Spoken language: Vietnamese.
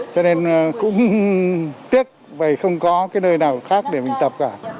cho nên cũng tiếc vậy không có cái nơi nào khác để mình tập cả